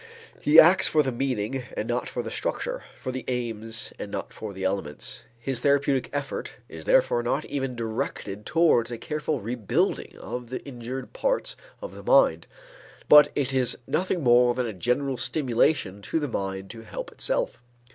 He asks for the meaning and not for the structure, for the aims and not for the elements. His therapeutic effort is therefore not even directed towards a careful rebuilding of the injured parts of the mind, but it is nothing more than a general stimulation to the mind to help itself.